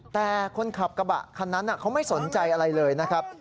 แต่คนขับกระบะคันนั้นเขาไม่สนใจอะไรเลยนะครับ